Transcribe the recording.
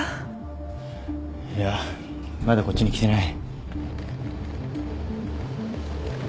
いやまだこっちに来てない。